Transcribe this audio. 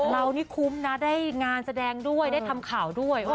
เรานี่คุ้มนะได้งานแสดงด้วยได้ทำข่าวด้วย